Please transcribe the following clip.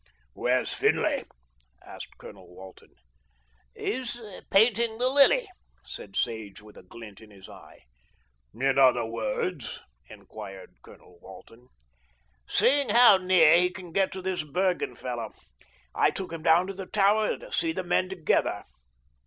"Where's Finlay?" asked Colonel Walton. "He's painting the lily," said Sage with a glint in his eye. "In other words?" enquired Colonel Walton. "Seeing how near he can get to this Bergen fellow. I took him down to the Tower to see the men together."